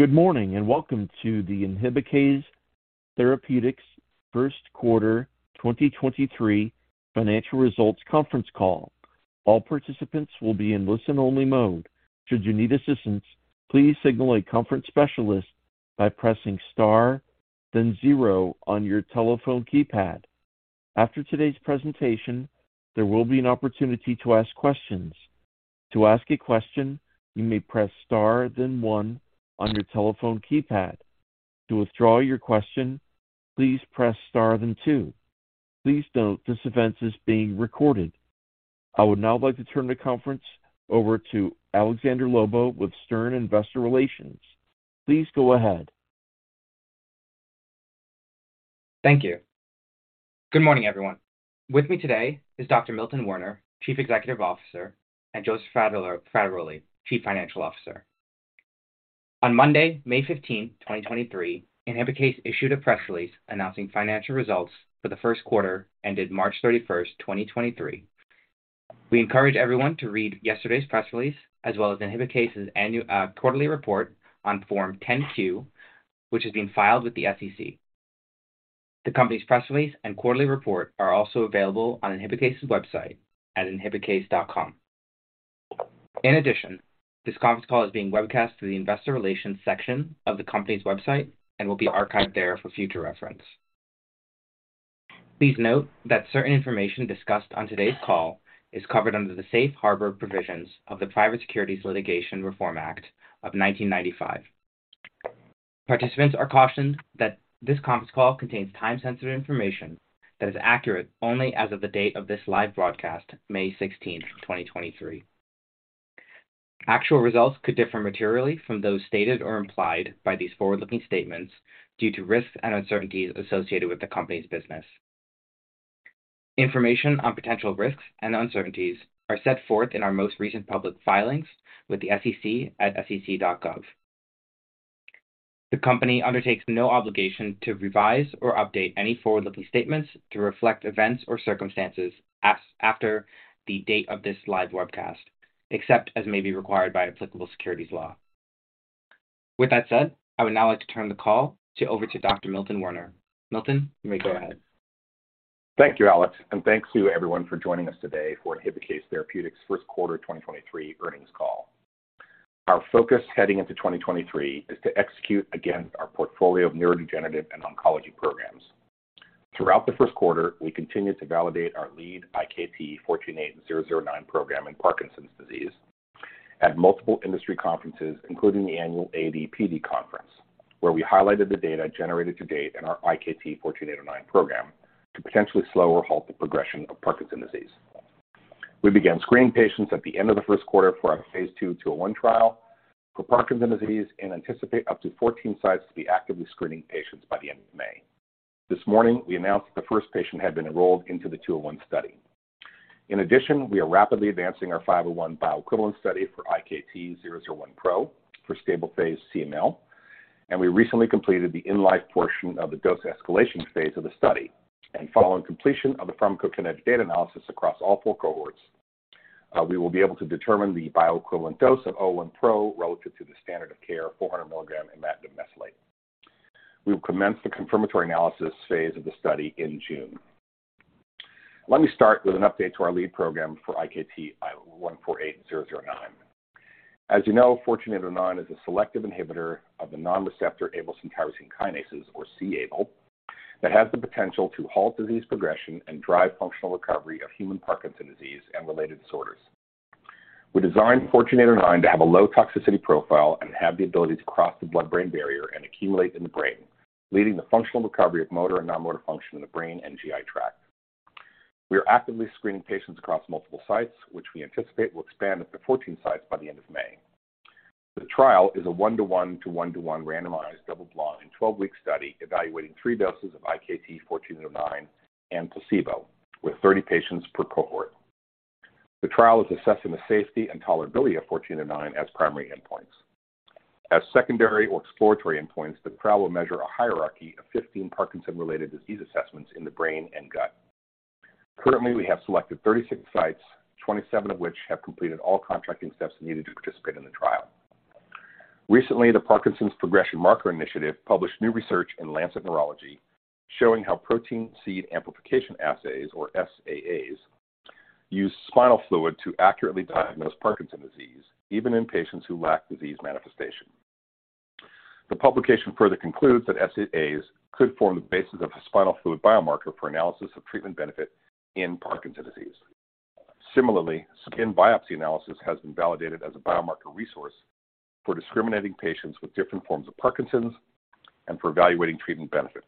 Good morning, and welcome to the Inhibikase Therapeutics first quarter 2023 financial results conference call. All participants will be in listen-only mode. Should you need assistance, please signal a conference specialist by pressing star then zero on your telephone keypad. After today's presentation, there will be an opportunity to ask questions. To ask a question, you may press star then one on your telephone keypad. To withdraw your question, please press star then two. Please note this event is being recorded. I would now like to turn the conference over to Alexander Lobo with Stern Investor Relations. Please go ahead. Thank you. Good morning, everyone. With me today is Dr. Milton Werner, Chief Executive Officer, and Joseph Frattaroli, Chief Financial Officer. On Monday, May 15, 2023, Inhibikase issued a press release announcing financial results for the first quarter ended March 31, 2023. We encourage everyone to read yesterday's press release, as well as Inhibikase's annual quarterly report on Form 10-Q, which is being filed with the SEC. The company's press release and quarterly report are also available on Inhibikase's website at inhibikase.com. This conference call is being webcast through the investor relations section of the company's website and will be archived there for future reference. Please note that certain information discussed on today's call is covered under the safe harbor provisions of the Private Securities Litigation Reform Act of 1995. Participants are cautioned that this conference call contains time-sensitive information that is accurate only as of the date of this live broadcast, May 16, 2023. Actual results could differ materially from those stated or implied by these forward-looking statements due to risks and uncertainties associated with the company's business. Information on potential risks and uncertainties are set forth in our most recent public filings with the SEC at sec.gov. The company undertakes no obligation to revise or update any forward-looking statements to reflect events or circumstances after the date of this live webcast, except as may be required by applicable securities law. With that said, I would now like to turn the call over to Dr. Milton H. Werner. Milton, you may go ahead. Thank you, Alex, and thanks to you everyone for joining us today for Inhibikase Therapeutics's first quarter 2023 earnings call. Our focus heading into 2023 is to execute against our portfolio of neurodegenerative and oncology programs. Throughout the first quarter, we continued to validate our lead IkT-148009 program in Parkinson's disease at multiple industry conferences, including the annual ADPD conference, where we highlighted the data generated to date in our IkT-148009 program to potentially slow or halt the progression of Parkinson's disease. We began screening patients at the end of the first quarter for our phase II 201 trial for Parkinson's disease and anticipate up to 14 sites to be actively screening patients by the end of May. This morning, we announced the first patient had been enrolled into the 201 study. We are rapidly advancing our five oh one bioequivalent study for IkT-001Pro for stable phase CML. We recently completed the in-life portion of the dose escalation phase of the study. Following completion of the pharmacokinetic data analysis across all 4 cohorts, we will be able to determine the bioequivalent dose of 001Pro relative to the standard of care, 400 milligram imatinib mesylate. We will commence the confirmatory analysis phase of the study in June. Let me start with an update to our lead program for IkT-148009. As you know, 48009 is a selective inhibitor of the non-receptor Abl tyrosine kinases or c-Abl, that has the potential to halt disease progression and drive functional recovery of human Parkinson's disease and related disorders. We designed 4809 to have a low toxicity profile and have the ability to cross the blood-brain barrier and accumulate in the brain, leading to functional recovery of motor and non-motor function in the brain and GI tract. We are actively screening patients across multiple sites, which we anticipate will expand up to 14 sites by the end of May. The trial is a 1-to-1 to 1-to-1 randomized double-blind in 12-week study evaluating 3 doses of IkT-4809 and placebo with 30 patients per cohort. The trial is assessing the safety and tolerability of 4809 as primary endpoints. As secondary or exploratory endpoints, the trial will measure a hierarchy of 15 Parkinson's-related disease assessments in the brain and gut. Currently, we have selected 36 sites, 27 of which have completed all contracting steps needed to participate in the trial. Recently, the Parkinson's Progression Markers Initiative published new research in The Lancet Neurology showing how protein seed amplification assays, or SAAs, use spinal fluid to accurately diagnose Parkinson's disease, even in patients who lack disease manifestation. The publication further concludes that SAAs could form the basis of a spinal fluid biomarker for analysis of treatment benefit in Parkinson's disease. Similarly, skin biopsy analysis has been validated as a biomarker resource for discriminating patients with different forms of Parkinson's and for evaluating treatment benefit.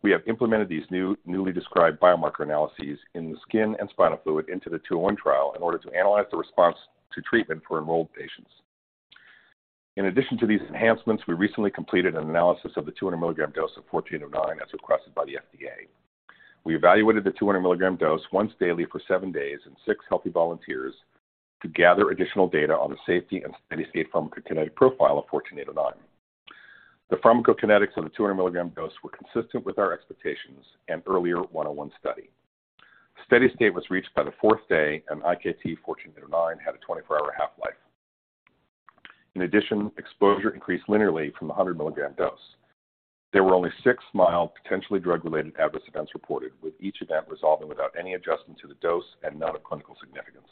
We have implemented these newly described biomarker analyses in the skin and spinal fluid into the 201 trial in order to analyze the response to treatment for enrolled patients. In addition to these enhancements, we recently completed an analysis of the 200 milligram dose of IkT-148009 as requested by the FDA. We evaluated the 200 milligram dose once daily for 7 days in 6 healthy volunteers to gather additional data on the safety and steady-state pharmacokinetic profile of 4809. The pharmacokinetics of the 200 milligram dose were consistent with our expectations in earlier 101 study. Steady state was reached by the 4th day, and IKT-149 had a 24-hour half-life. In addition, exposure increased linearly from the 100-milligram dose. There were only 6 mild potentially drug-related adverse events reported, with each event resolving without any adjustment to the dose and not of clinical significance.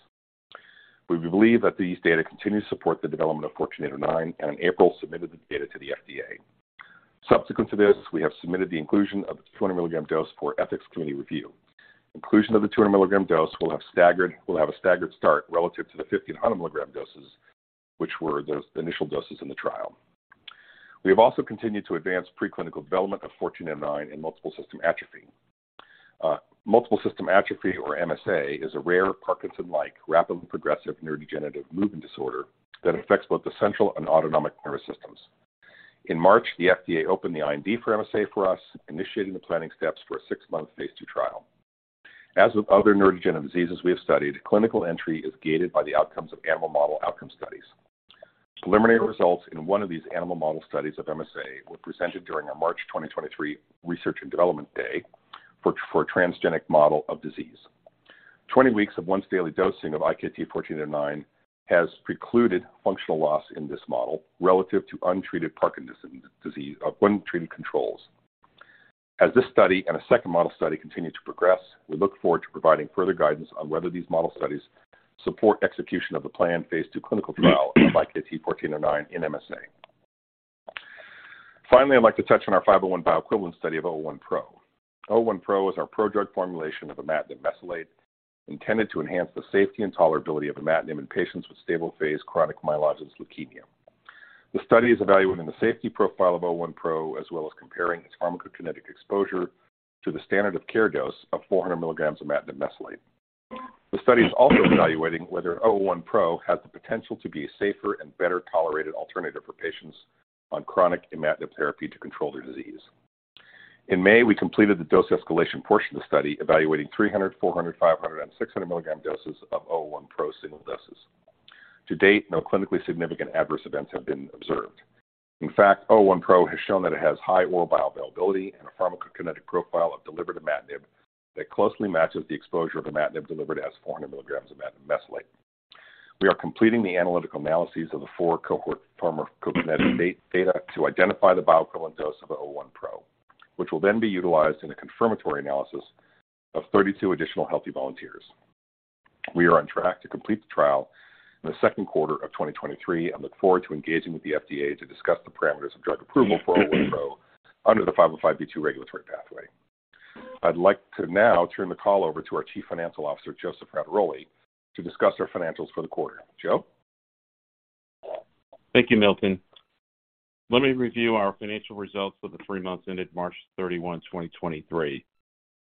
We believe that these data continue to support the development of 1409, and in April submitted the data to the FDA. Subsequent to this, we have submitted the inclusion of the 200-milligram dose for ethics committee review. Inclusion of the 200 milligram dose will have a staggered start relative to the 50 and 100-milligram doses, which were those, the initial doses in the trial. We have also continued to advance preclinical development of 148009 in multiple system atrophy. Multiple system atrophy, or MSA, is a rare Parkinson-like, rapidly progressive neurodegenerative movement disorder that affects both the central and autonomic nervous systems. In March, the FDA opened the IND for MSA for us, initiating the planning steps for a six-month phase II trial. As with other neurodegenerative diseases we have studied, clinical entry is gated by the outcomes of animal model outcome studies. Preliminary results in one of these animal model studies of MSA were presented during our March 2023 research and development day for a transgenic model of disease. 20 weeks of once-daily dosing of IkT-148009 has precluded functional loss in this model relative to untreated Parkinson's disease, untreated controls. This study and a second model study continue to progress, we look forward to providing further guidance on whether these model studies support execution of the planned phase II clinical trial of IkT-148009 in MSA. Finally, I'd like to touch on our five oh one bioequivalent study of IkT-001Pro. IkT-001Pro is our prodrug formulation of imatinib mesylate intended to enhance the safety and tolerability of imatinib in patients with stable phase chronic myelogenous leukemia. The study is evaluating the safety profile of IkT-001Pro, as well as comparing its pharmacokinetic exposure to the standard of care dose of 400 milligrams imatinib mesylate. The study is also evaluating whether IkT-001Pro has the potential to be a safer and better-tolerated alternative for patients on chronic imatinib therapy to control their disease. In May, we completed the dose escalation portion of the study, evaluating 300 mg, 400 mg, 500 mg, and 600 mg doses of IkT-001Pro single doses. To date, no clinically significant adverse events have been observed. In fact, IkT-001Pro has shown that it has high oral bioavailability and a pharmacokinetic profile of delivered imatinib that closely matches the exposure of imatinib delivered as 400 mg imatinib mesylate. We are completing the analytical analyses of the four cohort pharmacokinetic data to identify the bioequivalent dose of the IkT-001Pro, which will then be utilized in a confirmatory analysis of 32 additional healthy volunteers. We are on track to complete the trial in the second quarter of 2023 and look forward to engaging with the FDA to discuss the parameters of drug approval for IkT-001Pro under the 505(b)(2) regulatory pathway. I'd like to now turn the call over to our Chief Financial Officer, Joe Frattaroli, to discuss our financials for the quarter. Joe? Thank you, Milton. Let me review our financial results for the 3 months ended March 31, 2023.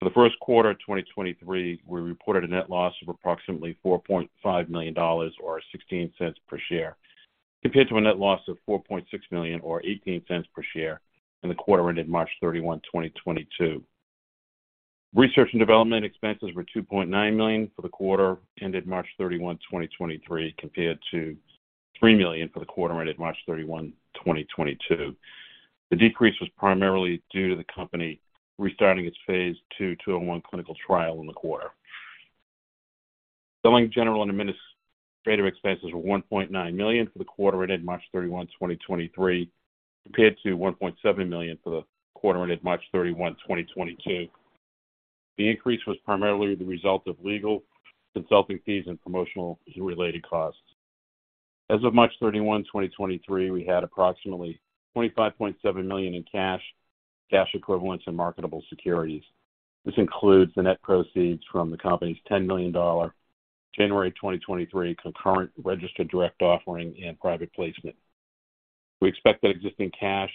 For the first quarter of 2023, we reported a net loss of approximately $4.5 million or $0.16 per share, compared to a net loss of $4.6 million or $0.18 per share in the quarter ended March 31, 2022. Research and development expenses were $2.9 million for the quarter ended March 31, 2023, compared to $3 million for the quarter ended March 31, 2022. The decrease was primarily due to the company restarting its phase II-201 clinical trial in the quarter. Selling, general, and administrative expenses were $1.9 million for the quarter ended March 31, 2023, compared to $1.7 million for the quarter ended March 31, 2022. The increase was primarily the result of legal, consulting fees, and promotional-related costs. As of March 31, 2023, we had approximately $25.7 million in cash equivalents, and marketable securities. This includes the net proceeds from the company's $10 million January 2023 concurrent registered direct offering and private placement. We expect that existing cash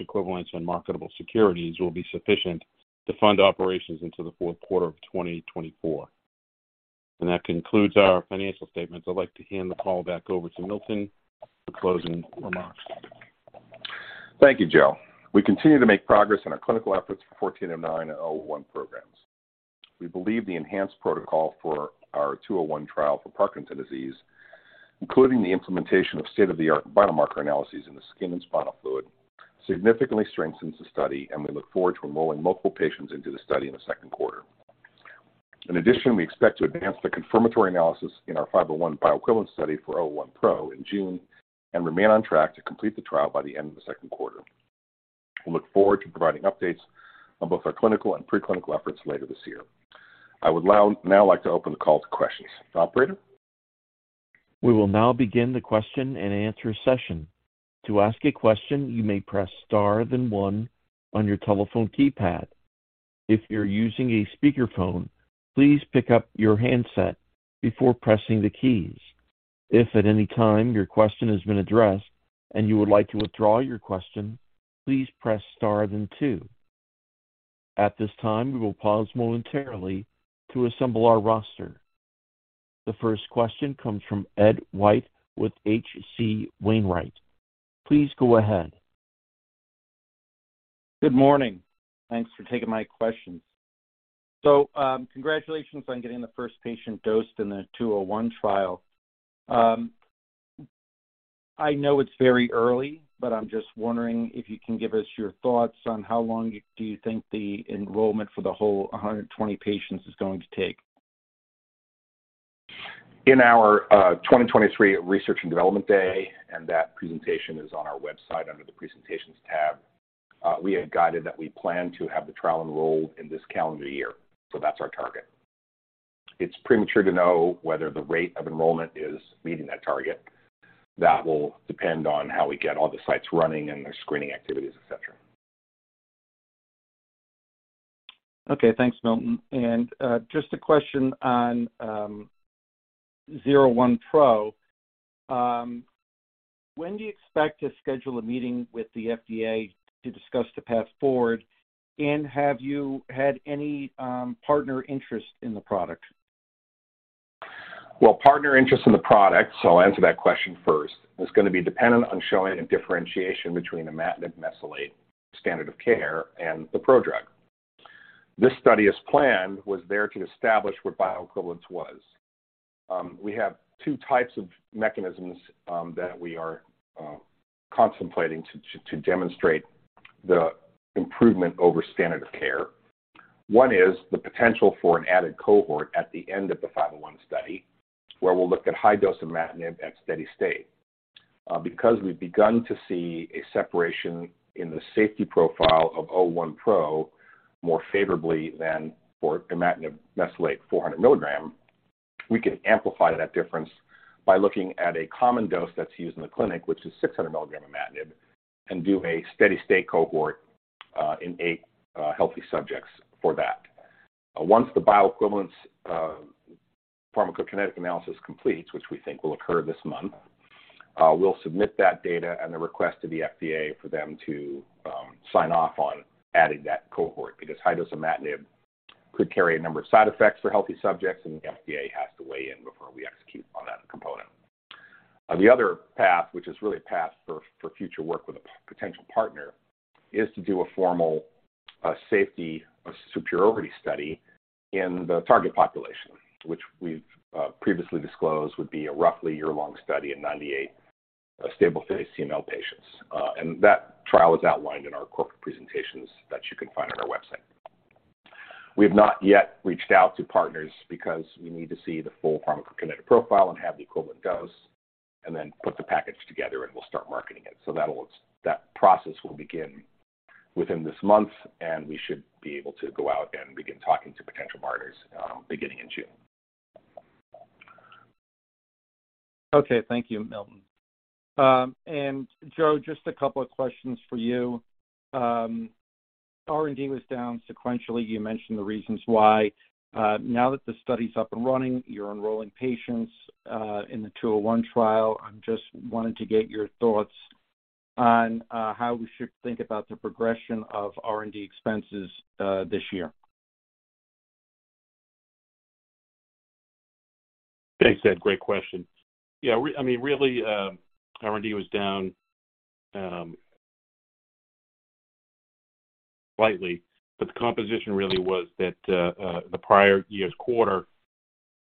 equivalents, and marketable securities will be sufficient to fund operations into the fourth quarter of 2024. That concludes our financial statements. I'd like to hand the call back over to Milton for closing remarks. Thank you, Joe. We continue to make progress on our clinical efforts for 148009 and 001 programs. We believe the enhanced protocol for our 201 trial for Parkinson's disease, including the implementation of state-of-the-art biomarker analyses in the skin and spinal fluid, significantly strengthens the study, and we look forward to enrolling multiple patients into the study in the second quarter. In addition, we expect to advance the confirmatory analysis in our 501 bioequivalent study for 001Pro in June and remain on track to complete the trial by the end of the second quarter. We look forward to providing updates on both our clinical and preclinical efforts later this year. I would now like to open the call to questions. Operator? We will now begin the question and answer session. To ask a question, you may press star then one on your telephone keypad. If you're using a speakerphone, please pick up your handset before pressing the keys. If at any time your question has been addressed and you would like to withdraw your question, please press star then two. At this time, we will pause momentarily to assemble our roster. The first question comes from Ed White with H.C. Wainwright & Co.. Please go ahead. Good morning. Thanks for taking my questions. Congratulations on getting the first patient dosed in the 201 trial. I know it's very early, but I'm just wondering if you can give us your thoughts on how long do you think the enrollment for the whole 120 patients is going to take? In our, 2023 research and development day, and that presentation is on our website under the presentations tab, we had guided that we plan to have the trial enrolled in this calendar year, so that's our target. It's premature to know whether the rate of enrollment is meeting that target. That will depend on how we get all the sites running and their screening activities, et cetera. Okay. Thanks, Milton. Just a question on IkT-001Pro. When do you expect to schedule a meeting with the FDA to discuss the path forward? Have you had any partner interest in the product? Partner interest in the product, so I'll answer that question first, is gonna be dependent on showing a differentiation between imatinib mesylate standard of care and the pro drug. This study, as planned, was there to establish what bioequivalence was. We have two types of mechanisms that we are contemplating to demonstrate the improvement over standard of care. One is the potential for an added cohort at the end of the 501 study, where we'll look at high dose imatinib at steady state. Because we've begun to see a separation in the safety profile of IkT-001Pro more favorably than for imatinib mesylate 400 milligram, we can amplify that difference by looking at a common dose that's used in the clinic, which is 600 milligram imatinib, and do a steady-state cohort in eight healthy subjects for that. Once the bioequivalence pharmacokinetic analysis completes, which we think will occur this month, we'll submit that data and the request to the FDA for them to sign off on adding that cohort because high-dose imatinib could carry a number of side effects for healthy subjects, and the FDA has to weigh in before we execute on that component. The other path, which is really a path for future work with a potential partner, is to do a formal safety superiority study in the target population, which we've previously disclosed would be a roughly year-long study in 98 stable-phase CML patients. That trial is outlined in our corporate presentations that you can find on our website. We have not yet reached out to partners because we need to see the full pharmacokinetic profile and have the equivalent dose and then put the package together, and we'll start marketing it. That process will begin within this month, and we should be able to go out and begin talking to potential partners beginning in June. Okay. Thank you, Milton. Joe, just a couple of questions for you. R&D was down sequentially. You mentioned the reasons why. Now that the study's up and running, you're enrolling patients, in the 201 trial. I'm just wanting to get your thoughts on, how we should think about the progression of R&D expenses, this year. Thanks, Ed. Great question. Yeah, I mean, really, R&D was down slightly. The composition really was that, the prior year's quarter,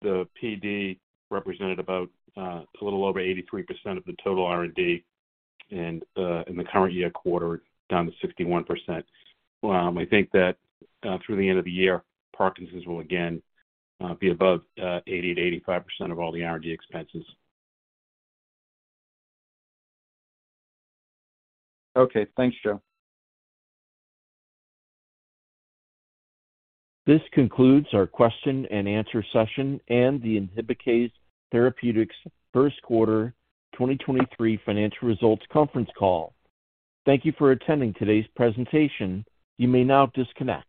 the PD represented about a little over 83% of the total R&D. In the current year quarter, down to 61%. I think that through the end of the year, Parkinson's will again be above 80%-85% of all the R&D expenses. Okay. Thanks, Joe. This concludes our question-and-answer session and the Inhibikase Therapeutics first quarter 2023 financial results conference call. Thank you for attending today's presentation. You may now disconnect.